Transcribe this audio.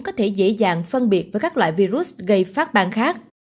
có thể dễ dàng phân biệt với các loại virus gây phát bang khác